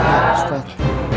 ya allah ustadz